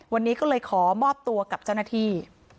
วันนี้ก็เลยขอมอบตัวกับเจ้าหน้าที่